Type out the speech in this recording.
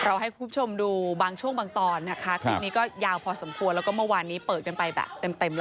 ให้คุณผู้ชมดูบางช่วงบางตอนนะคะคลิปนี้ก็ยาวพอสมควรแล้วก็เมื่อวานนี้เปิดกันไปแบบเต็มแล้ว